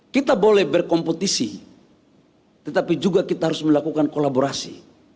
kita boleh berkompetisi tetapi juga kita harus melakukan kolaborasi